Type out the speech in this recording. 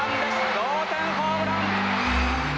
同点ホームラン。